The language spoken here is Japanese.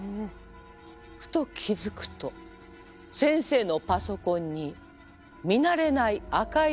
ふと気付くと先生のパソコンに見慣れない赤いリボンがついている。